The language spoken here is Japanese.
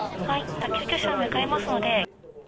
救急車向かいますので。